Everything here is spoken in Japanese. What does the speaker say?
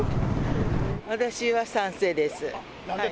私は賛成です。